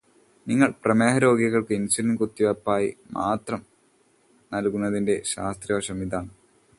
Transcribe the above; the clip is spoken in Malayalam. പ്രമേഹരോഗികള്ക്ക് ഇൻസുലിൻ കുത്തിവെപ്പായി മാത്രം നൽകുന്നതിന്റെ ശാസ്ത്രീയവശം ഇതാണ്.